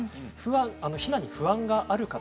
避難に不安がある方